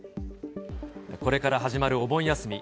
これから始まるお盆休み。